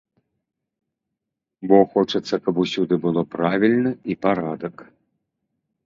Бо хочацца, каб усюды было правільна і парадак.